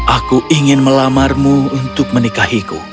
aku ingin melamarmu untuk menikahiku